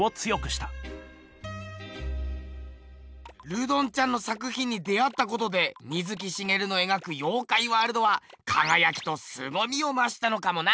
ルドンちゃんの作ひんに出会ったことで水木しげるの描く妖怪ワールドはかがやきとすごみをましたのかもな。